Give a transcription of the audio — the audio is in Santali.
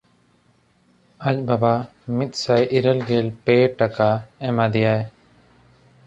ᱟᱡ ᱵᱟᱵᱟ ᱢᱤᱫᱥᱟᱭ ᱤᱨᱟᱹᱞᱜᱮᱞ ᱯᱮ ᱴᱟᱠᱟ ᱮᱢᱟ ᱫᱮᱭᱟᱭ᱾